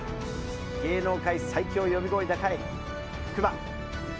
芸能界最強の呼び声高い福場。